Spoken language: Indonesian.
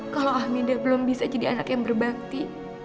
kalau ahmida belum bisa jadi anak yang berbakti